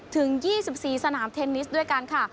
ถึง๒๔สนามเทนนิสด้วยกันค่ะ